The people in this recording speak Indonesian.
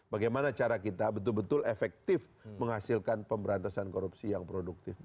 bagaimana cara kita betul betul efektif menghasilkan pemberantasan korupsi yang produktif